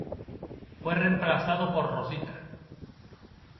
Fue reemplazado por "Rosita"